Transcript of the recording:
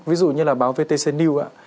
ví dụ như là báo vtc news ạ